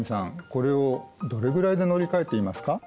これをどれぐらいで乗り換えていますか？